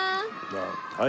はい。